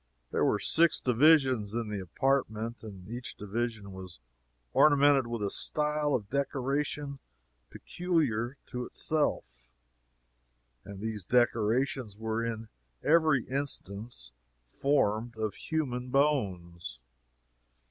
There were six divisions in the apartment, and each division was ornamented with a style of decoration peculiar to itself and these decorations were in every instance formed of human bones!